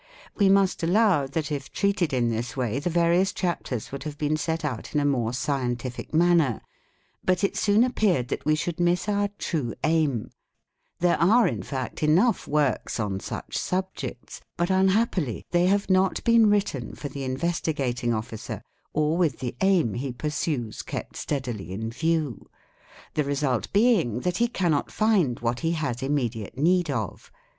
We must allow that if treated in this way the various chapters would have been set out in a more scientific manner; but it soon appeared that we should miss our true aim ; there are in fact enough works on such subjects, but unhappily they have not been written for the Investigating Officer or with the aim he pursues kept steadily in view, the result being that he cannot find what he has immediate need of.